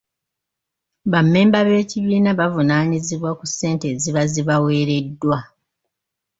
Ba mmemba b'ekibiina bavunaanyizibwa ku ssente eziba zibaweereddwa.